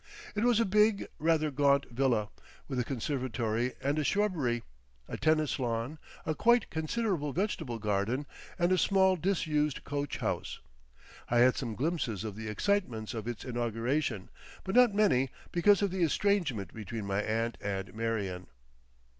It was a big, rather gaunt villa, with a conservatory and a shrubbery, a tennis lawn, a quite considerable vegetable garden, and a small disused coach house. I had some glimpses of the excitements of its inauguration, but not many because of the estrangement between my aunt and Marion.